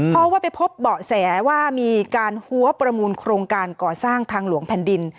เพราะว่าไปพบเบาะแสว่ามีการหัวประมูลโครงการก่อสร้างทางหลวงแผ่นดิน